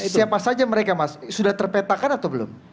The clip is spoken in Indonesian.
siapa saja mereka mas sudah terpetakan atau belum